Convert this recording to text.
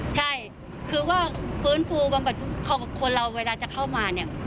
ใช่คือว่าฟื้นฟูบำบัดคนเราเวลาจะเข้ามาเนี่ย